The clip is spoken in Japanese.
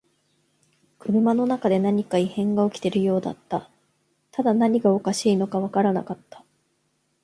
車の中で何か異変が起きているようだった。ただ何がおかしいのかわからなかった。